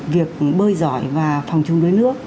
việc bơi giỏi và phòng chống đuối nước